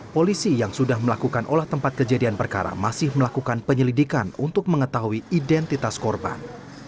polisi yang sudah melakukan olah tempat kejadian perkara masih melakukan penyelidikan untuk mengetahui identitas korban